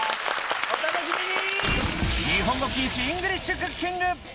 お楽しみに！